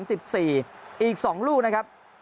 อีก๒ลูกนะครับ